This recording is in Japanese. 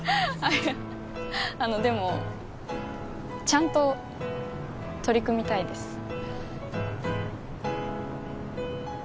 あっいやあのでもちゃんと取り組みたいです